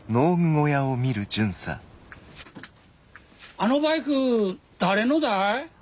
あのバイク誰のだい？